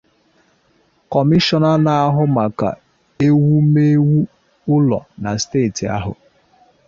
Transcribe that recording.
Kọmishona na-ahụ maka ewumewu ụlọ na steeti ahụ